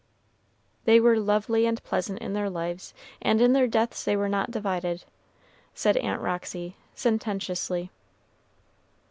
"They were lovely and pleasant in their lives, and in their deaths they were not divided," said Aunt Roxy, sententiously.